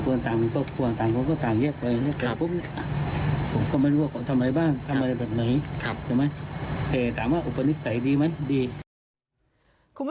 วันที่คือตอนที่สัมผัสกับเด็กเหล่านี้ถามว่าเด็กใส่ดีไหมอืม